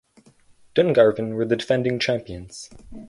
Dungarvan were the defending champions.